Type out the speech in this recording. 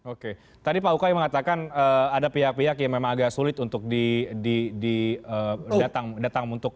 oke tadi pak ukay mengatakan ada pihak pihak yang memang agak sulit untuk didatang untuk